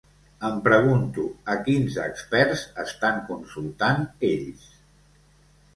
Em pregunto a quins experts estan consultant ells.